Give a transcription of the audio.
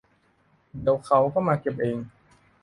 เดี๋ยวเขามาเก็บเอง